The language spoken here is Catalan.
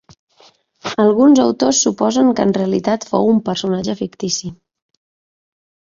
Alguns autors suposen que en realitat fou un personatge fictici.